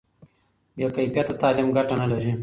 بې کیفیته تعلیم ګټه نه لري.